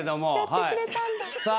さあ。